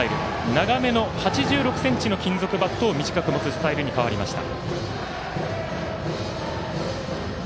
長めの８６ｃｍの金属バットを短く持つスタイルに変わりました。